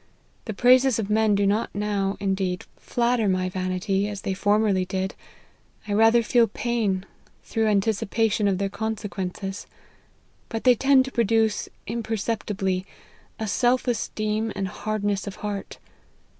The praises of men do not now, indeed, flatter my vanity as they formerly did ; I rather feel pain, through anticipation of their consequences : but they tend to produce, imper ceptibly, a self esteem and hardness of heart.